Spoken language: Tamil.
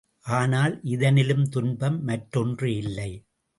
ஆனால் இதனிலும் துன்பம் மற்றொன்று இல்லை.